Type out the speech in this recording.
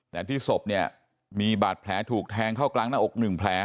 แต่ที่ศพเนี่ยมีบาดแผลถูกแทงเข้ากลางหน้าอกหนึ่งแผล